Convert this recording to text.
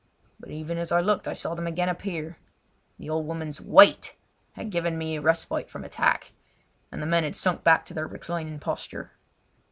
But even as I looked I saw them again appear. The old woman's "Wait!" had given me a respite from attack, and the men had sunk back to their reclining posture.